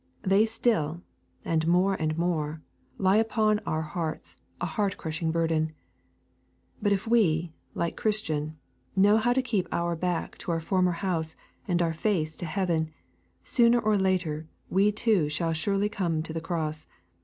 They still, and more and more, lie upon our hearts a heart crushing burden. But if we, like Christian, know how to keep our back to our former house and our face to heaven, sooner or later we too shall surely come to the cross.